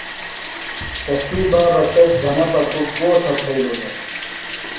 تسی بابہ تس دھنہ پتُوۡ گو تھےۡ پھرئِلوۡ دےۡ؟